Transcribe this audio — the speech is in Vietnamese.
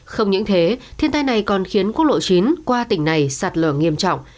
không những thế thiên tai này còn khiến quốc lộ chín qua tỉnh này sạt lở nghiêm trọng